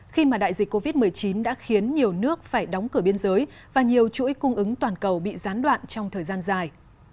khi mà đại dịch covid một mươi chín đã khiến nhiều nước phải đóng cửa biên giới và nhiều chuỗi cung ứng toàn cầu bị gián đoạn trong thời gian dài